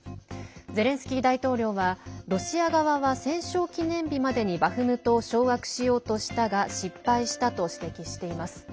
ゼレンスキー大統領はロシア側は戦勝記念日までにバフムトを掌握しようとしたが失敗したと指摘しています。